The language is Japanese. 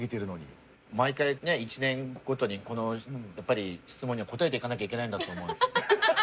毎回ね１年ごとにこのやっぱり質問には答えていかなきゃいけないんだと思う。